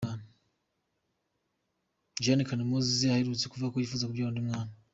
Juliana Kanyomozi aherutse kuvuga ko yifuza kubyara undi mwana.